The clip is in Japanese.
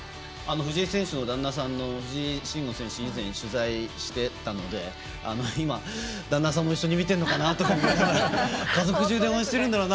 藤井選手の旦那さんのことを以前、取材していたので旦那さんも一緒に見てるのかなとか家族中で応援してるんだろうな。